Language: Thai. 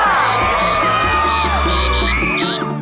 ควรคิดออก